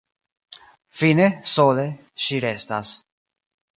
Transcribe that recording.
Fine sole ŝi restas.